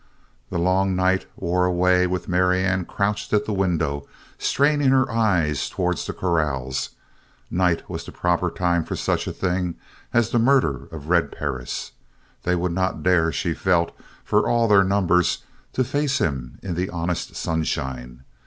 The long night wore away with Marianne crouched at the window straining her eyes towards the corrals. Night was the proper time for such a thing as the murder of Red Perris. They would not dare, she felt, for all their numbers, to face him in the honest sunshine.